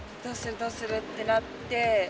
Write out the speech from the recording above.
どうする？ってなって。